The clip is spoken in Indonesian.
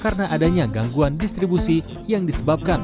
karena adanya gangguan distribusi yang disebabkan